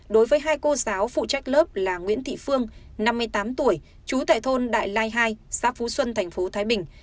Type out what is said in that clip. đối với hai cô giáo phụ trách lớp là nguyễn thị phương năm mươi tám tuổi chú tải thôn đại lai hai xá phú xuân thành phố thái bình